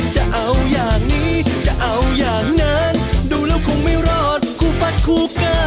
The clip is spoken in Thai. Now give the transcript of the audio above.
จะเอาอย่างนี้จะเอาอย่างนั้นดูแล้วคงไม่รอดคู่ฟัดคู่กัน